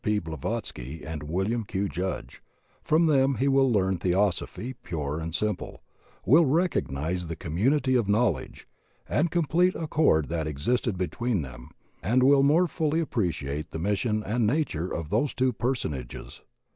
P. Blavatsky and Wm. Q. Judge; from them he will learn Theosophy pure and simple; will recognize the community of knowledge and com plete accord that existed between them ^d will more fully appreciate the mission and nature of those two Personages.